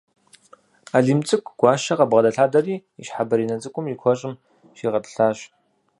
Алим цӏыкӏу Гуащэ къыбгъэдэлъадэри, и щхьэ бэринэ цӏыкӏур и куэщӏым щигъэтӏылъащ.